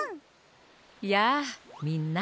やあみんな。